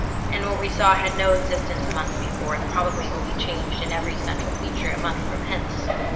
And what we saw had no existence a month before, and probably will be changed in every essential feature a month from hence.